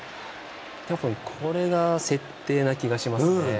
たぶん、これが設定な気がしますね。